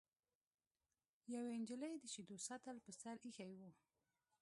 یوې نجلۍ د شیدو سطل په سر ایښی و.